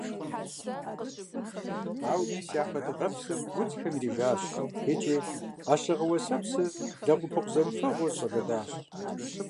Ауэ мис япэ дыгъэпсыр удзхэм ирижащ икӀи а щыгъэ-уэсэпсыр лэгъупыкъу зэмыфэгъуу зэщӀэлыдащ.